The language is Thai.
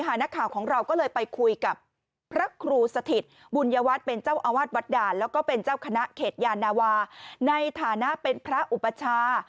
นักข่าวของเราก็เลยไปคุยกับพระครูสถิตบุญยวัตรเป็นเจ้าอาวาสวัดด่านแล้วก็เป็นเจ้าคณะเขตยานาวาในฐานะเป็นพระอุปชา